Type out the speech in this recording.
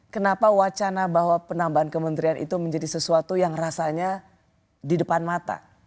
kenapa wacana bahwa penambahan kementerian itu menjadi sesuatu yang rasanya di depan mata